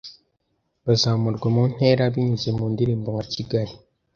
Bazamurwa mu ntera binyuze mu ndirimbo nka kigali